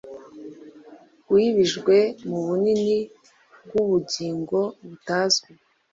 wibijwe mubunini bwubugingo butazwi